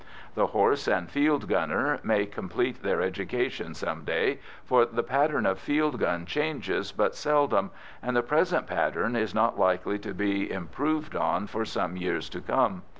The horse and field gunner may complete their education some day, for the pattern of field gun changes but seldom, and the present pattern is not likely to be improved on for some years to come.